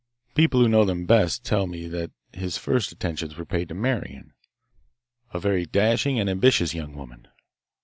"People who know them best tell me that his first attentions were paid to Marian, a very dashing and ambitious young woman.